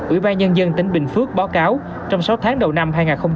ủy ban nhân dân tỉnh bình phước báo cáo trong sáu tháng đầu năm hai nghìn một mươi chín